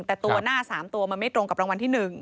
แต่ตัวหน้า๓ตัวมันไม่ตรงกับรางวัลที่๑